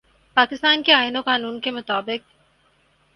پاکستان کے آئین و قانون کے مطابق